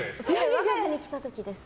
我が家に来た時です。